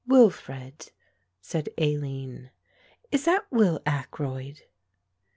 "Wilfred," said Aline, "is that Will Ackroyd?"